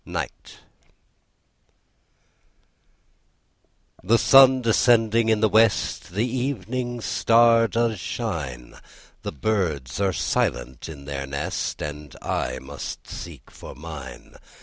NIGHT The sun descending in the West, The evening star does shine; The birds are silent in their nest, And I must seek for mine.